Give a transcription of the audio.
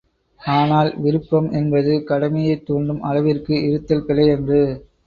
ஆனால், விருப்பம் என்பது கடமையைத் தூண்டும் அளவிற்கு இருத்தல் பிழையன்று.